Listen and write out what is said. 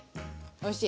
おいしい！